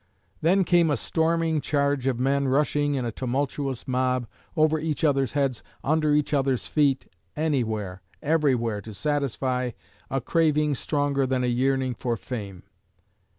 Then came a storming charge of men rushing in a tumultuous mob over each other's heads, under each other's feet, anywhere, everywhere to satisfy a craving stronger than a yearning for fame.